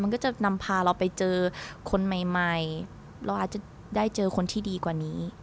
มันก็จะนำพาเราไปเจอคนใหม่เราอาจจะได้เจอคนที่ดีกว่านี้